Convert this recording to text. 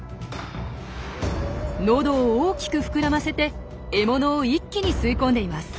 喉を大きく膨らませて獲物を一気に吸い込んでいます。